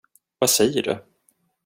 Vad säger du?